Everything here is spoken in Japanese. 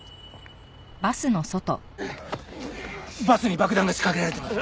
バスに爆弾が仕掛けられてます。